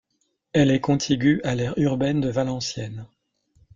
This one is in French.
Elle est contiguë à l'aire urbaine de Valenciennes.